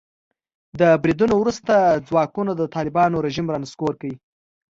د بریدونو وروسته ځواکونو د طالبانو رژیم را نسکور کړ.